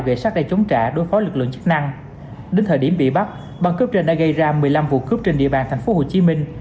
gậy sắt để chống trả đối phó lực lượng chức năng đến thời điểm bị bắt băng cướp trên đã gây ra một mươi năm vụ cướp trên địa bàn thành phố hồ chí minh